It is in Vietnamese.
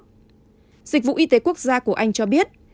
dịch vụ y tế quốc gia của anh cho biết